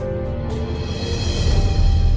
โปรดติดตามตอนต่อไป